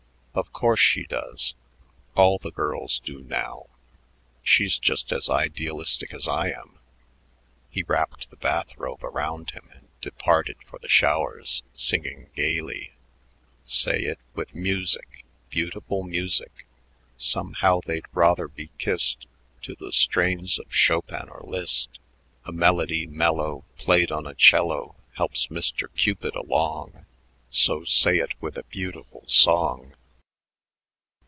"Of course, she does. All the girls do now. She's just as idealistic as I am." He wrapped the bath robe around him and departed for the showers, singing gaily: "Say it with music, Beautiful music; Somehow they'd rather be kissed To the strains of Chopin or Liszt. A melody mellow played on a cello Helps Mister Cupid along So say it with a beautiful song."